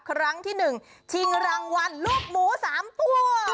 ครั้งที่๑ชิงรางวัลลูกหมู๓ตัว